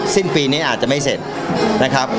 สิ้นปีนี้อาจจะไม่เสร็จนะครับ